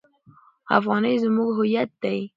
افغانۍ زموږ هویت دی.